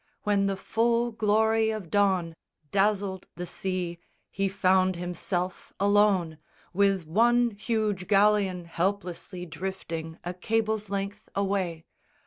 When the full glory of dawn Dazzled the sea, he found himself alone, With one huge galleon helplessly drifting A cable's length away.